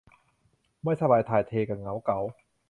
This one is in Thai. ไม่สบายถ่ายเทกะเหงาเก๋า